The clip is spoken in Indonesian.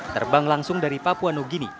terbang langsung dari papua nugini